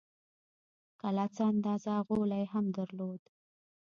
کلا څه اندازه غولی هم درلود.